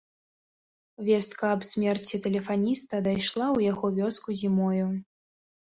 Вестка аб смерці тэлефаніста дайшла ў яго вёску зімою.